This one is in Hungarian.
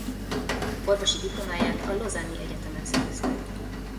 Orvosi diplomáját a lausanne-i egyetemen szerezte.